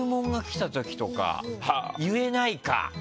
言えないか！